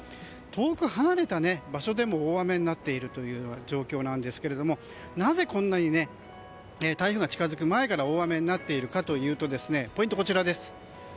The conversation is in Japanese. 遠く離れた場所でも大雨になっているという状況なんですけどなぜこんなに台風が近づく前から大雨になっているかというとポイントはこちらです。